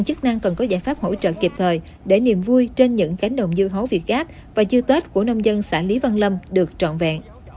hãy đăng ký kênh để ủng hộ kênh của mình nhé